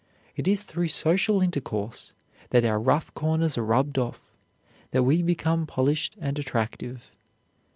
It is through social intercourse that our rough corners are rubbed off, that we become polished and attractive.